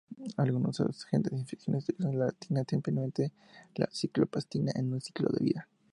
Algunos agentes infecciosos utilizan la actina, especialmente la citoplasmática, en su ciclo de vida.